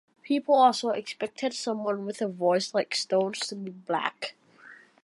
People also expected someone with a voice like Stone's to be black.